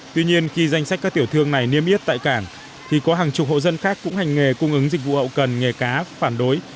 tuy nhiên khi danh sách các tiểu thương này niêm yết tại cảng thì có hàng chục hộ dân khác cũng hành nghề cung ứng dịch vụ hậu cần nghề cá phản đối